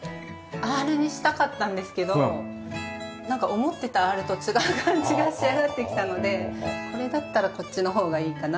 アールにしたかったんですけどなんか思ってたアールと違う感じが仕上がってきたのでこれだったらこっちの方がいいかなっていう。